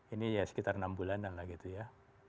ini ya sekitar enam bulan dan lagi itu ya